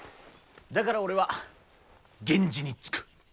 だから俺は源氏につく。